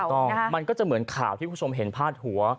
มันก็จะเหมือนข่าวที่คุณผู้ชมเห็นพาดหัว